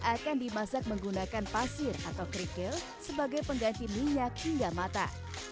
akan dimasak menggunakan pasir atau kerikil sebagai pengganti minyak hingga mata